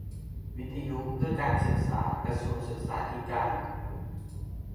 วิทยุเพื่อการศึกษา กระทรวงศึกษาธิการ